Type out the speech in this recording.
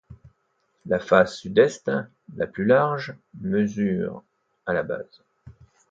La face sud-est, la plus large, mesure à la base.